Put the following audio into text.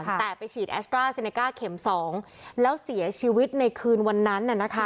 แต่ไปฉีดแอสตราเซเนก้าเข็มสองแล้วเสียชีวิตในคืนวันนั้นน่ะนะคะ